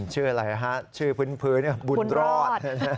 ชื่ออะไรฮะชื่อพื้นบุญรอด